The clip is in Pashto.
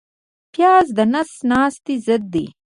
پیاز د نس ناستي ضد دی